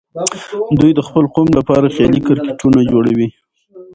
دوی د خپل قوم لپاره خيالي کرکټرونه جوړوي.